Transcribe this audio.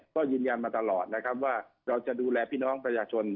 ก็ยืนยันมาตลอดนะครับว่าเราจะดูแลพี่น้องประชาชน